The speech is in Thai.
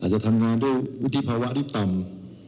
จะทำงานด้วยวุฒิภาวะที่ต่ำ